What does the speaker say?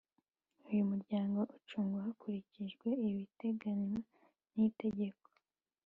Uyu muryango ucungwa hakurikijwe ibiteganywa n itegeko